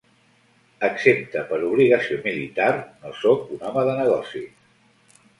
Excepte per obligació militar, no soc un home de negocis.